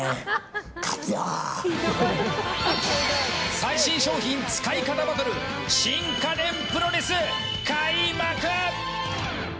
最新商品使い方バトル新家電プロレス、開幕！